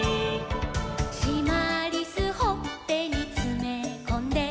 「しまりすほっぺにつめこんで」